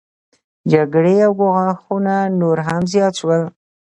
جګړې او ګواښونه نور هم زیات شول